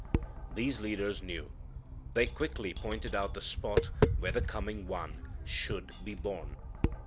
These leaders knew. They quickly pointed out the spot where the coming One should be born.